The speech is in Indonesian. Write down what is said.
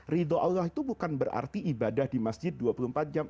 ridho allah itu bukan berarti ibadah di masjid dua puluh empat jam